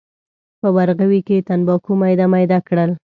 په ورغوي کې یې تنباکو میده میده کړل.